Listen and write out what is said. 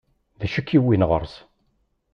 D acu i k-iwwin ɣur-s?